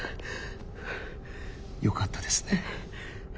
よかったですね。